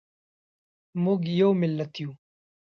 موږ یو ملت یو